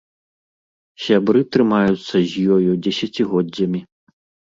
Сябры трымаюцца з ёю дзесяцігоддзямі.